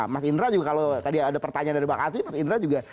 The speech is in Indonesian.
mas indra juga kalau tadi ada pertanyaan dari bang azi mas indra juga